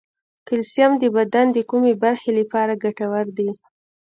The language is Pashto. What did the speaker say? کلسیم د بدن د کومې برخې لپاره ګټور دی